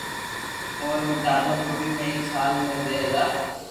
اووي ۾ ٽاٻر ٻودي ۾ ايڪ سال ۾ دھي ھزار